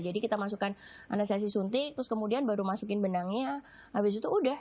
jadi kita masukkan anestesi suntik terus kemudian baru masukin benangnya habis itu udah